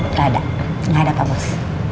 nggak ada nggak ada pak bos